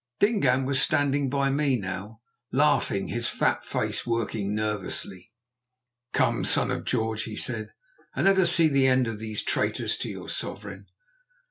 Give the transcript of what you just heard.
Dingaan was standing by me now, laughing, his fat face working nervously. "Come, Son of George," he said, "and let us see the end of these traitors to your sovereign."